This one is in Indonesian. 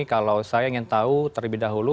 kalau saya ingin tahu terlebih dahulu